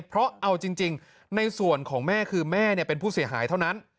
เพราะเอาจริงในส่วนของแม่คือแม่เป็นผู้เสียหายเท่านั้น